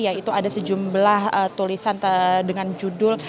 yaitu ada sejumlah tulisan dengan judul